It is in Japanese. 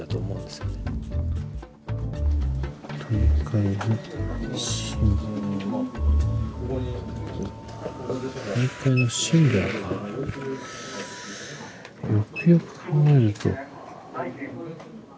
よくよく考えると。